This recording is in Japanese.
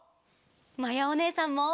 まやおねえさんも。